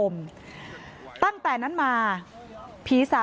เมื่อเวลาอันดับ